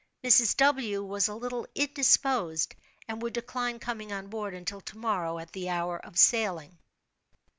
"Mrs. W. was a little indisposed, and would decline coming on board until to morrow, at the hour of sailing."